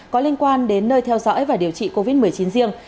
có liên quan đến nơi theo dõi và điều trị covid một mươi chín riêng